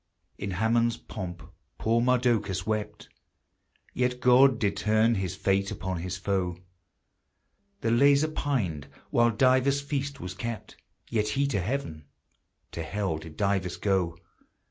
In Haman's pomp poor Mardocheus wept, Yet God did turn his fate upon his foe; The Lazar pined while Dives' feast was kept, Yet he to heaven, to hell did Dives go.